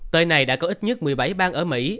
tới nay đã có ít nhất một mươi bảy bang ở mỹ